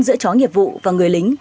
giữa chó nghiệp vụ và người lính